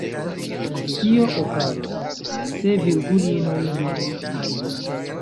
Kio okazos, se virgulinoj ne estos?